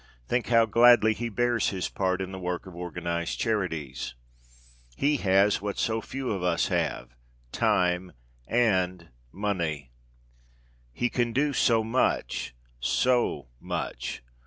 Think how gladly he bears his part in the work of organized charities! He has what so few of us have time and money. He can do so much, so much!